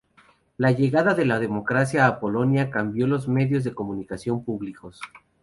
La llegada de la democracia a Polonia cambió los medios de comunicación públicos.